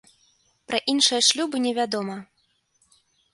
Пра іншыя шлюбы не вядома.